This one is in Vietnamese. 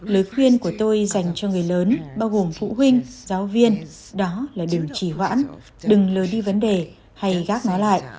lời khuyên của tôi dành cho người lớn bao gồm phụ huynh giáo viên đó là đừng chỉ hoãn đừng lời đi vấn đề hay gác nó lại